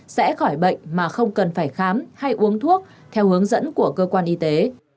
sẽ khỏi bệnh mà không cần phải khám hay uống thuốc theo hướng dẫn của cơ quan y tế